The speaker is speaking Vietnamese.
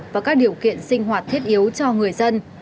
và các điều kiện sinh hoạt thiết yếu cho người dân